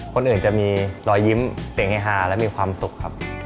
คนอื่นจะมีรอยยิ้มเสียงเฮฮาและมีความสุขครับ